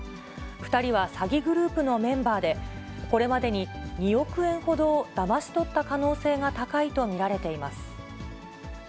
２人は詐欺グループのメンバーで、これまでに２億円ほどをだまし取った可能性が高いと見られています。